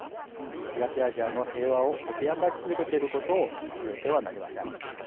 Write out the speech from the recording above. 東アジアの平和を脅かし続けていることを忘れてはなりません。